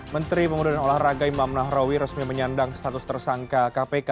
menteri pemuda dan olahraga imam nahrawi resmi menyandang status tersangka kpk